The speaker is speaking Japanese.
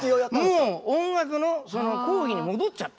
もう音楽の講義に戻っちゃった。